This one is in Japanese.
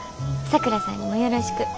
さくらさんにもよろしく。